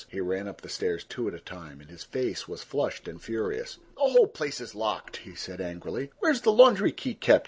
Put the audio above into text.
He ran up the stairs two at a time, and his face was flushed and furious. "The whole place is locked," he said angrily. "Where's the laundry key kept?"